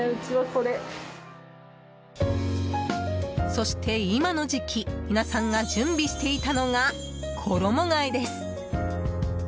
そして今の時期、皆さんが準備していたのが衣替えです。